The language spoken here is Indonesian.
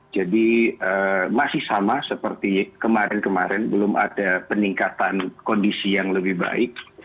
jadi masih sama seperti kemarin kemarin belum ada peningkatan kondisi yang lebih baik